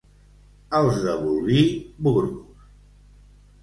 Els de Bolvir, burros.